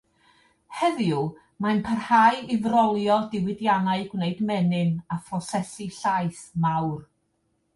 Heddiw, mae'n parhau i frolio diwydiannau gwneud menyn a phrosesu llaeth mawr.